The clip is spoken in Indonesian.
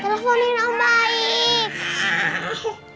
teleponin om baik